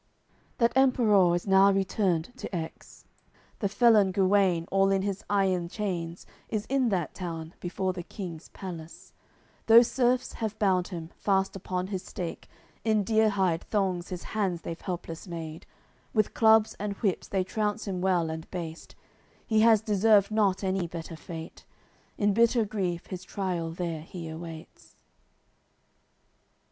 AOI. CCLXX That Emperour is now returned to Aix. The felon Guene, all in his iron chains Is in that town, before the King's Palace; Those serfs have bound him, fast upon his stake, In deer hide thongs his hands they've helpless made, With clubs and whips they trounce him well and baste: He has deserved not any better fate; In bitter grief his trial there he awaits.